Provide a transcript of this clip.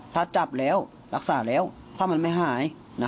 ถ้าจับแล้วรักษาแล้วถ้ามันไม่หาย